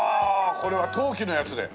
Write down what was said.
これは陶器のやつで。